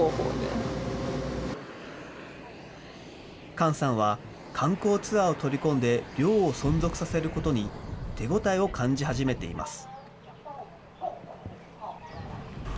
簡さんは、観光ツアーを取り込んで、漁を存続させることに手応えを感じ始めています。